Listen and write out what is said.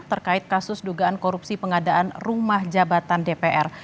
terkait kasus dugaan korupsi pengadaan rumah jabatan dpr